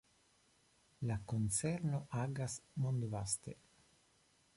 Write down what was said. La konzerno agas mondvaste.